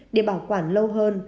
để bảo quản lâu hơn